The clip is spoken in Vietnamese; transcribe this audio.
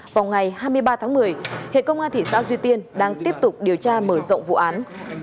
vào ngày hai mươi ba tháng một mươi hệ công an thị xã duy tiên đang tiếp tục điều tra mở rộng vụ án